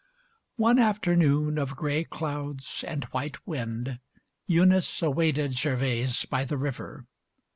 XLIV One afternoon of grey clouds and white wind, Eunice awaited Gervase by the river.